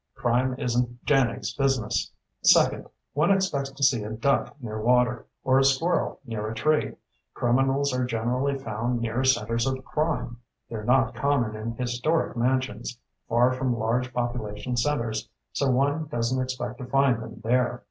Crime isn't JANIG's business. Second, one expects to see a duck near water, or a squirrel near a tree. Criminals are generally found near centers of crime. They're not common in historic mansions, far from large population centers, so one doesn't expect to find them there.